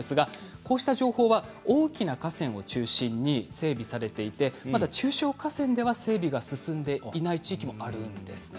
こういったものは大きな河川を中心に整備されていて中小河川はまだ整備がされていない地域もあるんですね。